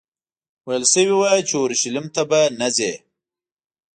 ویل شوي وو چې اورشلیم ته به نه ځې.